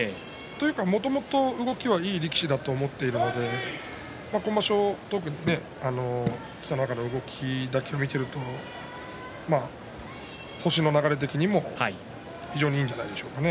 もともと動きがいい力士だと思ってるので今場所、特に北の若の動きだけを見ていると星の流れ的にも非常にいいんじゃないでしょうか。